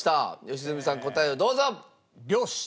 良純さん答えをどうぞ！